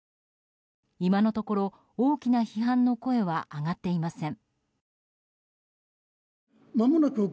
今のところ大きな批判の声は上がっていません。